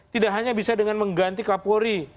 tidak hanya bisa dengan mengganti kapolri